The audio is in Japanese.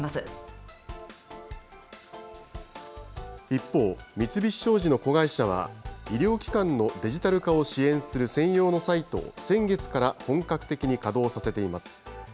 一方、三菱商事の子会社は、医療機関のデジタル化を支援する専用のサイトを、先月から本格的に稼働させています。